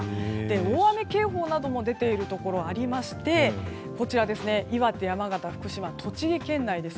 大雨警報なども出ているところがありまして岩手、山形、福島栃木県内です。